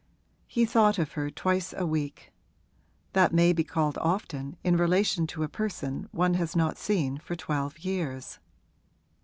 He thought of her twice a week; that may be called often in relation to a person one has not seen for twelve years.